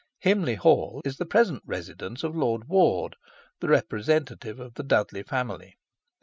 Himley Hall is the present residence of Lord Ward, the representative of the Dudley family.